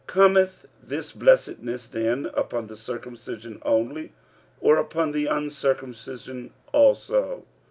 45:004:009 Cometh this blessedness then upon the circumcision only, or upon the uncircumcision also?